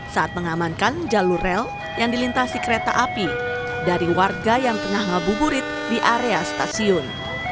saat mengamankan jalur rel yang dilintasi kereta api dari warga yang tengah ngabuburit di area stasiun